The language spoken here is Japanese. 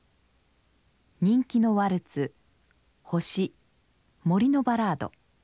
「人気のワルツ」「星」「森のバラード」。